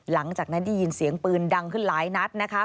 หลังจากนั้นได้ยินเสียงปืนดังขึ้นหลายนัดนะคะ